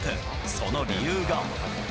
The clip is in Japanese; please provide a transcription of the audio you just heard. その理由が。